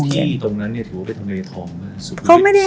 ตรงนั้นเนี่ยถือว่าไปทะเมริทอง